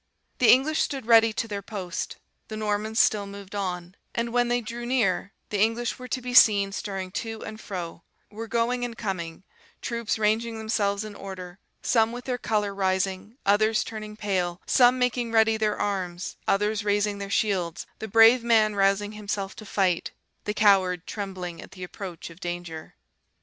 "The English stood ready to their post, the Normans still moved on; and when they drew near, the English were to be seen stirring to and fro; were going and coming; troops ranging themselves in order; some with their colour rising, others turning pale; some making ready their arms, others raising their shields; the brave man rousing himself to fight, the coward trembling at the approach of danger.